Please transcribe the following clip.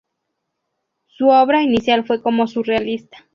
Su obra inicial fue como surrealista.